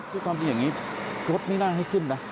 คือความจริงอย่างนี้รถไม่น่าให้ขึ้นนะ